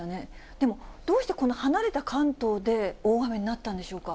でもどうしてこの離れた関東で、大雨になったんでしょうか。